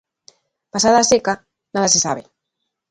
Pasada a seca, nada se sabe.